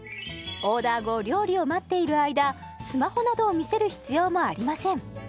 オーダー後料理を待っている間スマホなどを見せる必要もありません